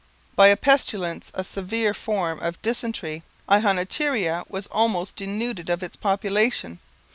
By a pestilence, a severe form of dysentery, Ihonatiria was almost denuded of its population.